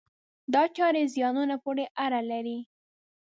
دا چارې زیانونو پورې اړه لري.